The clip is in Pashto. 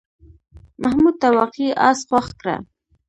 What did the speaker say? محمود ته واقعي آس خوښ کړه.